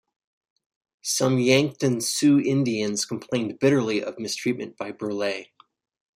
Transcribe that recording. Some Yankton Sioux Indians complained bitterly of mistreatment by Burleigh.